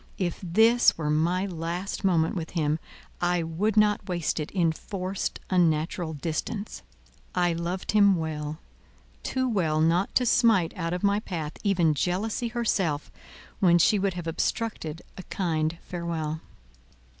If this were my last moment with him, I would not waste it in forced, unnatural distance. I loved him well—too well not to smite out of my path even Jealousy herself, when she would have obstructed a kind farewell.